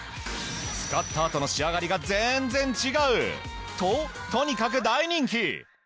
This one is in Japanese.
使ったあとの仕上がりが全然違う！ととにかく大人気。